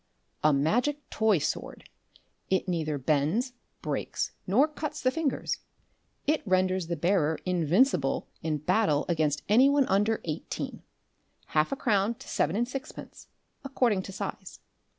"A Magic Toy Sword. It neither bends, breaks, nor cuts the fingers. It renders the bearer invincible in battle against any one under eighteen. Half a crown to seven and sixpence, according to size.